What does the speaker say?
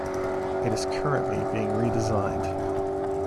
It is currently being redesigned.